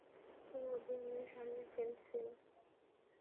ও ওদেরকে সারিয়ে ফেলছে।